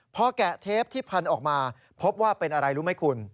พอแกะเทปที่พันออกมาพบว่าเป็นอะไรรู้ไหมคุณ